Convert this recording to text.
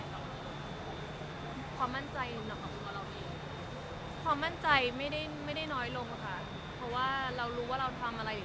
แต่ศัลยกรรมเป็นเรื่องปกติมันก็ไม่ได้มีอะไรผิดที่เราจะทำแบบที่เราจะไม่ทำ